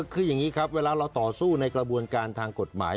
คืออย่างนี้ครับเวลาเราต่อสู้ในกระบวนการทางกฎหมาย